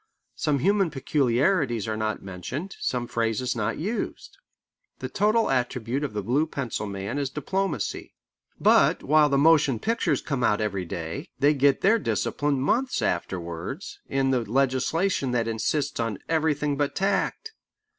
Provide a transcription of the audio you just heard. Some human peculiarities are not mentioned, some phrases not used. The total attribute of the blue pencil man is diplomacy. But while the motion pictures come out every day, they get their discipline months afterwards in the legislation that insists on everything but tact.